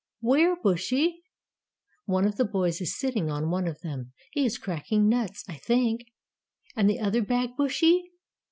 "Where, Bushy?" "One of the boys is sitting on one of them. He is cracking nuts, I think." "And the other bag, Bushy?"